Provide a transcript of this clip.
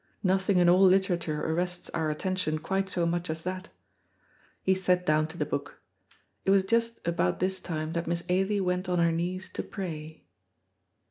Nothing in all literature arrests our attention quite so much as that. He sat down to the book. It was just about this time that Miss Ailie went on her knees to pray.